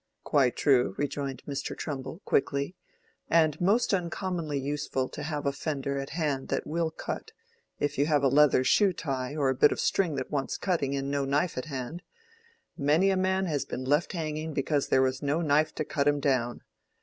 "Quite true," rejoined Mr. Trumbull, quickly, "and most uncommonly useful to have a fender at hand that will cut, if you have a leather shoe tie or a bit of string that wants cutting and no knife at hand: many a man has been left hanging because there was no knife to cut him down.